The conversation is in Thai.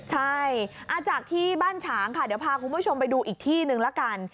ใช่จากที่บ้านฉางค่ะเดี๋ยวพาคุณผู้ชมไปดูอีกที่หนึ่งละกัน